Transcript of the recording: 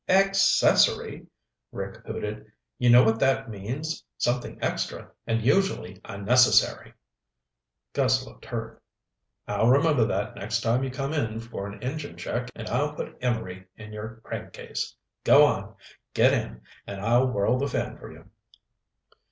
"Accessory!" Rick hooted. "You know what that means? Something extra and usually unnecessary." Gus looked hurt. "I'll remember that next time you come in for an engine check and I'll put emery in your crankcase. Go on. Get in and I'll whirl the fan for you."